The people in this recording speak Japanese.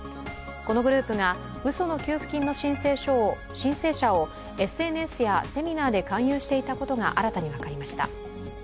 このグループがうその給付金の申請者をＳＮＳやセミナーで勧誘していたことが新たに分かりました。